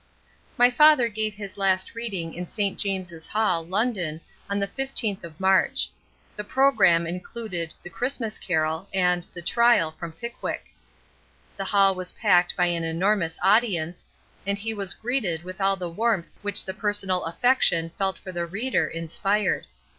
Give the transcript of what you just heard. My father gave his last reading in St. James' Hall, London, on the fifteenth of March. The programme included "The Christmas Carol" and the "Trial" from "Pickwick." The hall was packed by an enormous audience, and he was greeted with all the warmth which the personal affection felt for the reader inspired.